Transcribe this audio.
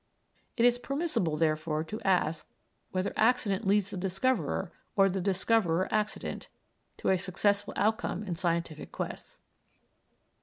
It is permissible, therefore, to ask whether accident leads the discoverer, or the discoverer accident, to a successful outcome in scientific quests.